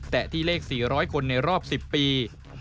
แต่ที่เลข๔๐๐คนในรอบ๑๐ปี